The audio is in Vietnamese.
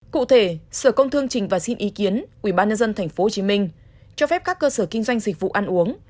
cụ thể sở công thương trình và xin ý kiến ubnd tp hcm cho phép các cơ sở kinh doanh dịch vụ ăn uống